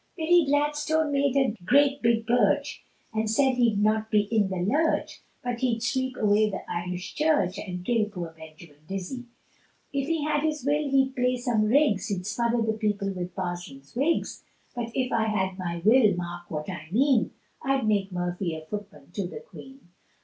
Billy Gladstone made a great big birch, And said he'd not be in the lurch, But he'd sweep away the Irish Church, And kill poor Benjamin Dizzy. If he had his will he'd play some rigs, He'd smother the people with Parsons' wigs; But if I had my will, mark what I mean, I'd make Murphy a footman to the Queen.